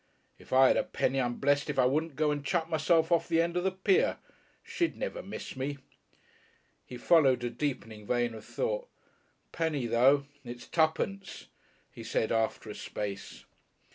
"If I 'ad a penny I'm blest if I wouldn't go and chuck myself off the end of the pier.... She'd never miss me...." He followed a deepening vein of thought. "Penny though! It's tuppence," he said after a space.